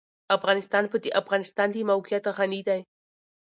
افغانستان په د افغانستان د موقعیت غني دی.